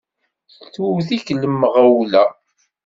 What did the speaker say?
Tewwet-ik lmeɣwla!